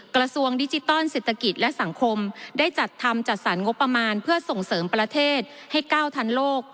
กระทรวงดิจิตอลเศรษฐกิจและสังคมได้จัดทำจัดสรรงบประมาณเพื่อส่งเสริมประเทศให้๙๐๐โลก